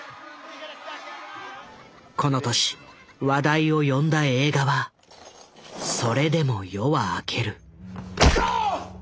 この年話題を呼んだ映画は「それでも夜は明ける」。